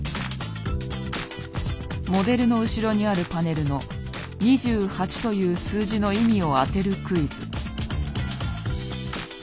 モデルの後ろにあるパネルの「２８」という数字の意味を当てるクイズ。